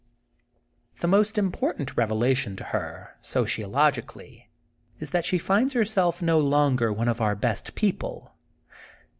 The most important revelation to her, socio logically, is that she finds herself no longer one of our best people.'